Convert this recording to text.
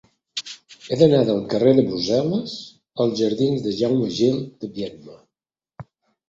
He d'anar del carrer de Brussel·les als jardins de Jaime Gil de Biedma.